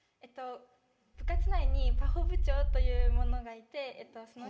部活内にパフォ部長というのがいて。